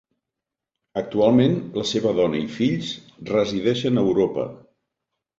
Actualment, la seva dona i fills resideixen a Europa.